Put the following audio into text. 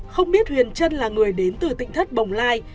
không biết huyền trân là người đến từ tỉnh thất bồng lai